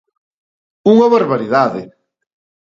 ¡Unha barbaridade!